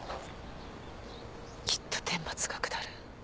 きっと天罰が下る。